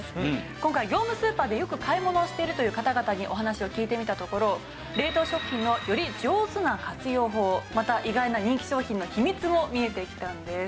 今回業務スーパーでよく買い物をしてるという方々にお話を聞いてみたところ冷凍食品のより上手な活用法また意外な人気商品の秘密も見えてきたんです。